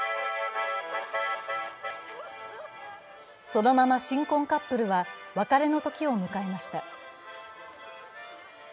そのまま新婚カップルは別れの時を迎えました。